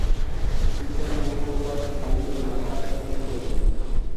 পিতা মোহাববত আলী ও মাতা রহিমা খাতুন।